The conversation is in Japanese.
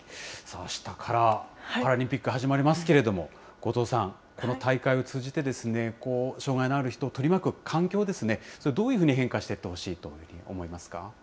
あしたからパラリンピック始まりますけれども、後藤さん、この大会を通じて、障害のある人を取り巻く環境ですね、それ、どういうふうに変化していってほしいと思いますか？